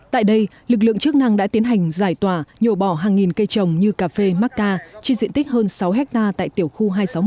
tại đây lực lượng chức năng đã tiến hành giải tỏa nhổ bỏ hàng nghìn cây trồng như cà phê mắc ca trên diện tích hơn sáu hectare tại tiểu khu hai trăm sáu mươi một